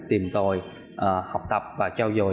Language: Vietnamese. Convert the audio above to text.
tìm tòi học tập và trao dồi